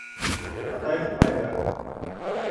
Атайың ҡайҙа?